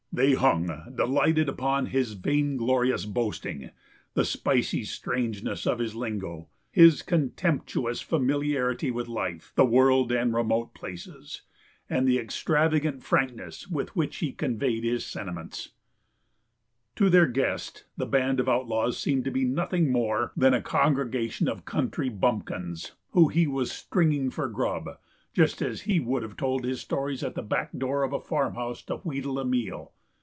They hung, delighted, upon his vainglorious boasting, the spicy strangeness of his lingo, his contemptuous familiarity with life, the world, and remote places, and the extravagant frankness with which he conveyed his sentiments. To their guest the band of outlaws seemed to be nothing more than a congregation of country bumpkins whom he was "stringing for grub" just as he would have told his stories at the back door of a farmhouse to wheedle a meal.